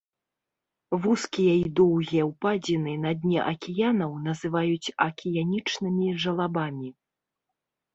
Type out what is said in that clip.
Вузкія і доўгія ўпадзіны на дне акіянаў называюць акіянічнымі жалабамі.